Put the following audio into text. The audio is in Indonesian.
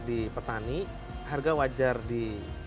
di petani harga wajar di